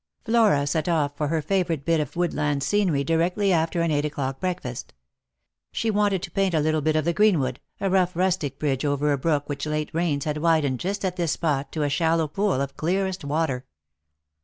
Flora set off for her favourite bit of woodland scenery directly after an eight o'clock breakfast. She wanted to paint a little bit of the greenwood, a rough rustic bridge over a brook which late rains had widened just at this 250 Lost for Love. spot to a shallow pool of clearest water.